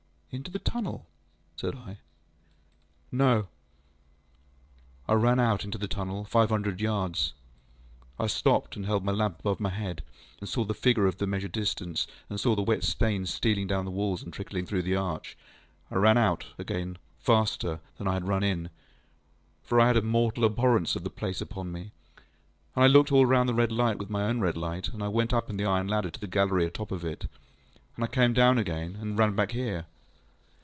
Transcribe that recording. ŌĆØ ŌĆ£Into the tunnel? ŌĆØ said I. ŌĆ£No. I ran on into the tunnel, five hundred yards. I stopped, and held my lamp above my head, and saw the figures of the measured distance, and saw the wet stains stealing down the walls and trickling through the arch. I ran out again faster than I had run in (for I had a mortal abhorrence of the place upon me), and I looked all round the red light with my own red light, and I went up the iron ladder to the gallery atop of it, and I came down again, and ran back here.